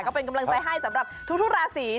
ก็เป็นกำลังใจให้สำหรับทุกราศี